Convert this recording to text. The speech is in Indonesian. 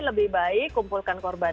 lebih baik kumpulkan korban